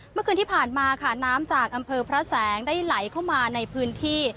เมื่อคืนที่ผ่านมาค่ะน้ำจากอำเภอพระแสงได้ไหลเข้ามาในพื้นที่